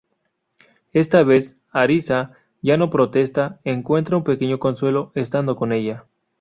Esta vez Arisa ya no protesta, encuentra un pequeño consuelo estando con ella.